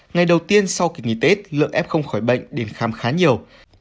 ngày đầu tiên sau kỳ nghỉ tết lượng f khỏi bệnh đến khám khá nhiều